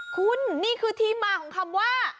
คุณนี่คือที่มาของคำว่า